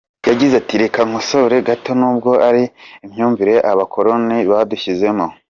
Yagize ati “Reka nkosore gato n’ubwo ari imyumvire Abakoloni badushyizemo.